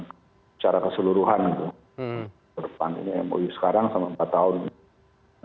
datang secara keseluruhan ke depan ini mou sekarang sama empat tahun ini